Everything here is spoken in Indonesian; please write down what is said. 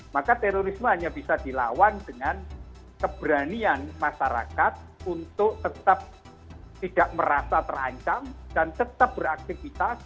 maka terorisme hanya bisa dilawan dengan keberanian masyarakat untuk tetap tidak merasa terancam dan tetap beraktivitas